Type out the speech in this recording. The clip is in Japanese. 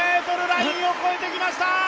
６５ｍラインを越えてきました！